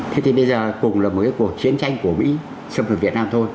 thế thì bây giờ cùng là một cái cuộc chiến tranh của mỹ xong rồi việt nam thôi